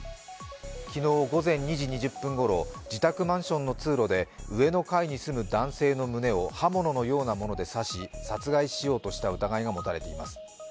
昨日午前２時２０分ごろ、自宅マンションの通路で、上の階に住む男性の胸を刃物のようなもので刺し殺害しようとした疑いが持たれています。